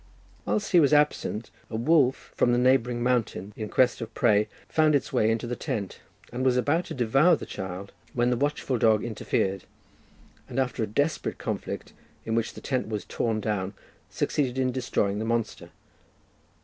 Whilst he was absent, a wolf from the neighbouring mountains, in quest of prey, found its way into the tent, and was about to devour the child, when the watchful dog interfered, and after a desperate conflict, in which the tent was torn down, succeeded in destroying the monster.